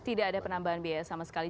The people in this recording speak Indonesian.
tidak ada penambahan biaya sama sekali